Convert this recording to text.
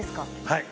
はい。